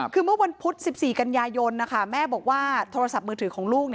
คือเมื่อวันพุธ๑๔กันยายนแม่บอกว่าโทรศัพท์มือถือของลูก